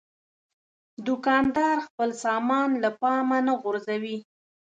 دوکاندار خپل سامان له پامه نه غورځوي.